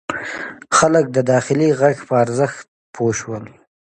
خلک د داخلي غږ په ارزښت پوه شول.